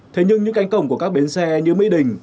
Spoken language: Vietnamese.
thế nhưng những cánh cổng của các bến xe như mỹ đình